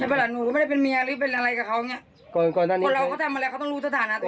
เธอแบบว่านี่ก็ไม่ได้เป็นเมียหรือเป็นอะไรกับเขา